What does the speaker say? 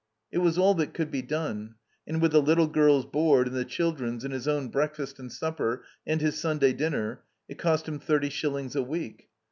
It was all that could be done; and with the little girl's board and the children's and his own break fast and supper and his Stmday dinner, it cost him thirty shillings a week.